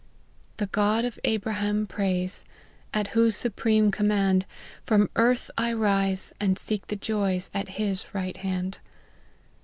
1 The God of Abraham praise, At whose supreme command From earth I rise, and seek the joys At his right hand.